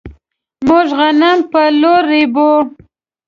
موږ غنم په لور ريبو.